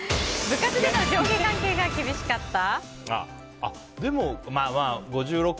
部活での上下関係が厳しかった？